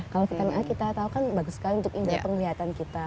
karena kita tahu kan bagus sekali untuk indah penglihatan kita